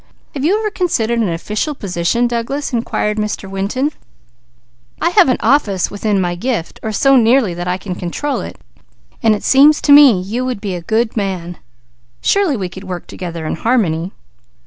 "Have you ever considered an official position, Douglas?" inquired Mr. Winton. "I have an office within my gift, or so nearly so that I can control it, and it seems to me that you would be a good man. Surely we could work together in harmony."